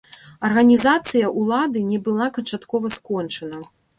Арганізацыя ўлады не была канчаткова скончана.